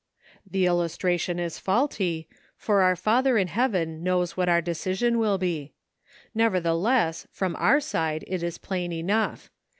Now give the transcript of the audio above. "The illustration is faulty, for our Father in Heaven knows what our decision will be. Nevertheless, from our side it is plain enough.